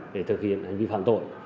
để thực hiện hành vi phạm tội